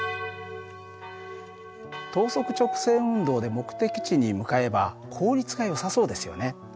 等速直線運動で目的地に向かえば効率がよさそうですよね。